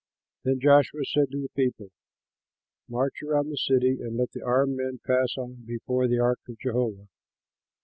Then Joshua said to the people, "March around the city and let the armed men pass on before the ark of Jehovah.